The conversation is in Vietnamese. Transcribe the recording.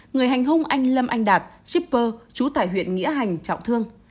người hành hung anh lâm anh đạt shipper chú tải huyện nghĩa hành trọng thương